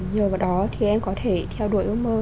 nhờ vào đó thì em có thể theo đuổi ước mơ